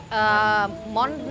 ya udah jalan ya